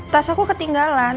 tas aku ketinggalan